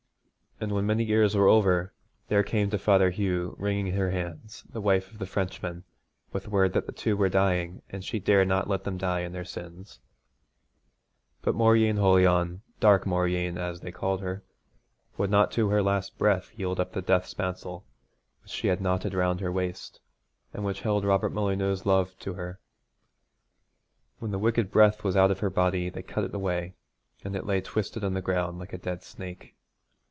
And when many years were over, there came to Father Hugh, wringing her hands, the wife of the Frenchman, with word that the two were dying, and she dared not let them die in their sins. But Mauryeen Holion, Dark Mauryeen, as they called her, would not to her last breath yield up the death spancel which she had knotted round her waist, and which held Robert Molyneux's love to her. When the wicked breath was out of her body they cut it away, and it lay twisted on the ground like a dead snake.